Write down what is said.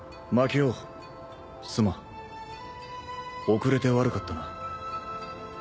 遅れて悪かったな。